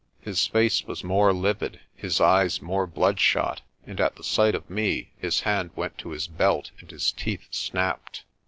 His face was more livid, his eyes more bloodshot, and at the sight of me his hand went to his belt and his teeth snapped.